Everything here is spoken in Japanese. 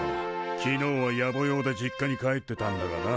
昨日はやぼ用で実家に帰ってたんだがな。